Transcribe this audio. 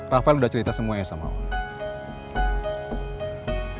rafael udah cerita semuanya sama om